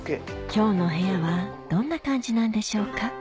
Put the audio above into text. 今日のお部屋はどんな感じなんでしょうか？